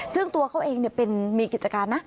ซึ่งตัวเขาเองมีกิจการนะ